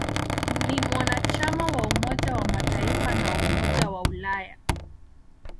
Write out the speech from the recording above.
Ni mwanachama wa Umoja wa Mataifa na wa Umoja wa Ulaya.